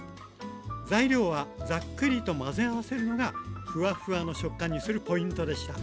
材料はザックリと混ぜ合わせるのがふわふわの食感にするポイントでした。